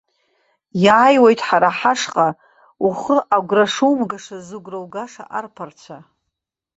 Иааиуеит ҳара ҳашҟа, ухы агәра шумгаша зыгәра угаша арԥарцәа.